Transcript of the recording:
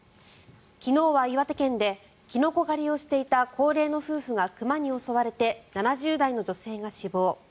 昨日は岩手県でキノコ狩りをしていた高齢の夫婦が熊に襲われて７０代の女性が死亡。